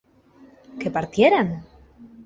¿que partieran?